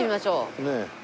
ねえ。